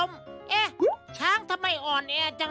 สีสันข่าวชาวไทยรัฐมาแล้วครับ